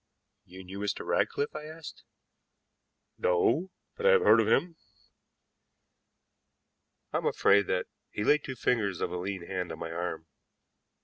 "You knew Mr. Ratcliffe?" I asked. "No, but I have heard of him." "I am afraid that " He laid two fingers of a lean hand on my arm.